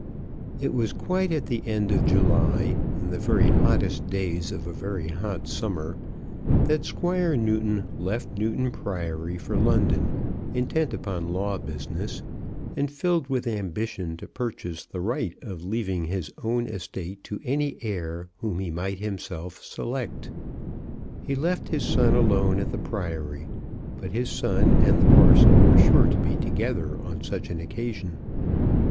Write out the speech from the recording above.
It was quite at the end of July, in the very hottest days of a very hot summer, that Squire Newton left Newton Priory for London, intent upon law business, and filled with ambition to purchase the right of leaving his own estate to any heir whom he might himself select. He left his son alone at the Priory; but his son and the parson were sure to be together on such an occasion.